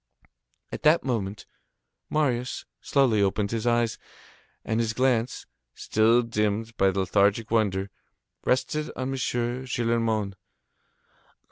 At that moment, Marius slowly opened his eyes, and his glance, still dimmed by lethargic wonder, rested on M. Gillenormand.